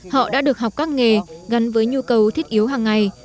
họ đã được học các nghề gắn với nhu cầu thiết yếu hàng ngày